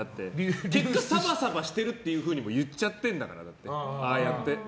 結果、サバサバしているって言っちゃっているんだからああやって。